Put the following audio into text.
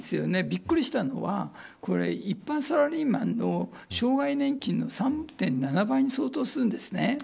びっくりしたのはこれ、一般サラリーマンの生涯年金の３．７倍に相当するんですね。